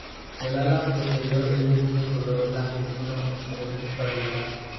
El ala posterior es de color blanquecino o gris pálido.